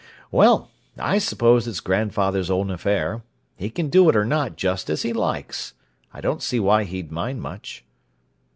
"Well, I suppose it's grandfather's own affair. He can do it or not, just as he likes. I don't see why he'd mind much."